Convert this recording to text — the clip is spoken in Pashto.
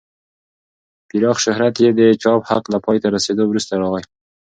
پراخ شهرت یې د چاپ حق له پای ته رسېدو وروسته راغی.